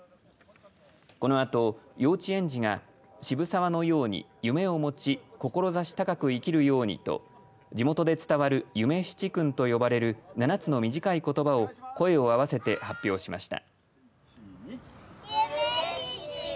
このあと幼稚園児が渋沢のように夢を持ち志高く生きるようにと地元で伝わる夢七訓と呼ばれる７つの短いことばを声を合わせて発表しました。